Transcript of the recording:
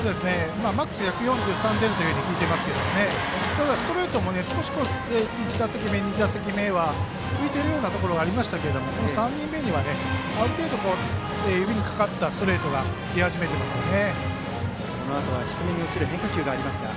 マックスは１４３出ると聞いていますのでただ、ストレートも少し１打席目、２打席目は浮いているようなところがありましたが３人目には、ある程度指にかかったストレートが出始めていますよね。